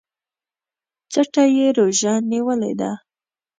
څټه يې ژوره نيولې ده